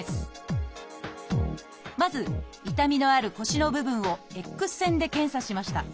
まず痛みのある腰の部分をＸ線で検査しました。